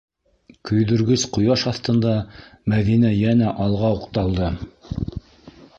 Көйҙөргөс ҡояш аҫтында Мәҙинә йәнә алға уҡталды.